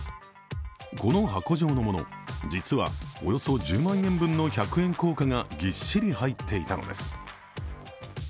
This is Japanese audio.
この箱状のもの、実はおよそ１０万円分の１００円硬貨がぎっしり入っていたのです。